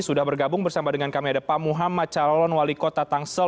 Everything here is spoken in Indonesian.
sudah bergabung bersama dengan kami ada pak muhammad calon wali kota tangsel